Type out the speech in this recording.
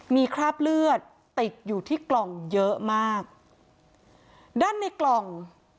มีคราบเลือดติดอยู่ที่กล่องเยอะมากด้านในกล่อง